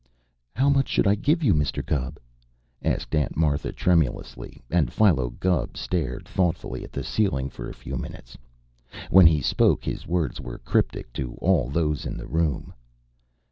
"How much should I give you, Mr. Gubb?" asked Aunt Martha tremulously, and Philo Gubb stared thoughtfully at the ceiling for a few minutes. When he spoke, his words were cryptic to all those in the room.